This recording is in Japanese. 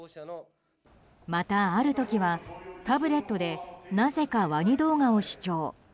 また、ある時はタブレットでなぜかワニ動画を視聴。